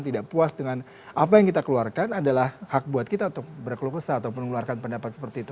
tidak puas dengan apa yang kita keluarkan adalah hak buat kita untuk berkelukusan atau mengeluarkan pendapat seperti itu